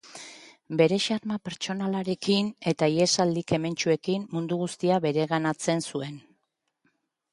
Bere xarma pertsonalarekin eta ihesaldi kementsuekin mundu guztia bereganatzen zuen.